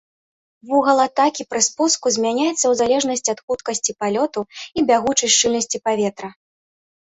Вугал атакі пры спуску змяняецца ў залежнасці ад хуткасці палёту і бягучай шчыльнасці паветра.